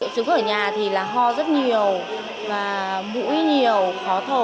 chứng khởi nhà thì là ho rất nhiều và bũi nhiều khó thở